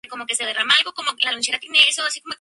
Sai Jinhua vivió en Europa durante tres años.